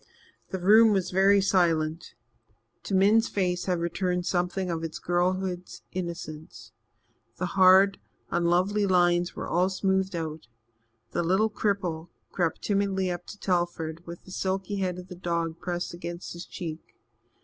The room was very silent. To Min's face had returned something of its girlhood's innocence. The hard, unlovely lines were all smoothed out. The little cripple crept timidly up to Telford, with the silky head of the dog pressed against his cheek.